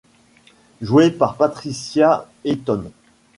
Jouée par Patricia Heaton.